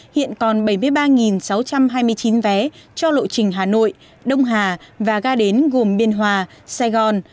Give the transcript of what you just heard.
hiện còn bảy mươi ba sáu trăm hai mươi chín vé cho lộ trình hà nội đông hà và ga đến gồm biên hòa sài gòn